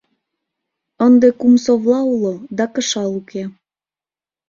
Ынде кум совла уло, да кышал уке.